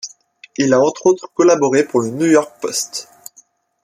Il a entre autres collaboré pour le New-York Post.